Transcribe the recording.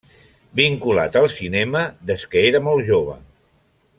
Vinculat al cinema des que era molt jove.